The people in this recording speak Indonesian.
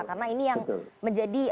karena ini yang menjadi